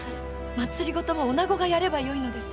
政もおなごがやればよいのです。